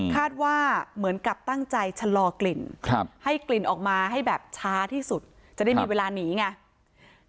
เหมือนกับตั้งใจชะลอกลิ่นให้กลิ่นออกมาให้แบบช้าที่สุดจะได้มีเวลาหนีไง